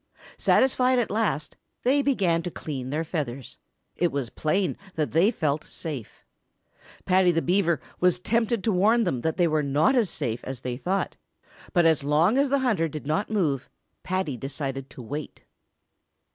Satisfied at last, they began to clean their feathers. It was plain that they felt safe. Paddy the Beaver was tempted to warn them that they were not as safe as they thought, but as long as the hunter did not move Paddy decided to wait.